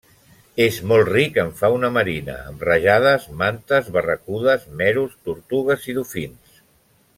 És molt ric en fauna marina amb rajades, mantes, barracudes, meros, tortugues i dofins.